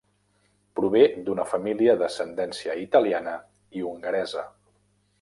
Prové d'una família d'ascendència italiana i hongaresa.